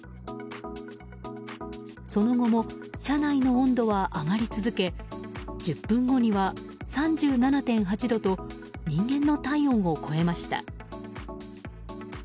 その後も車内の温度は上がり続け１０分後には３７．８度と人間の体温を超えました。